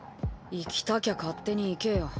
行きたきゃ勝手に行けよ。